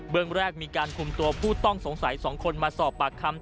เรื่องแรกมีการคุมตัวผู้ต้องสงสัย๒คนมาสอบปากคำ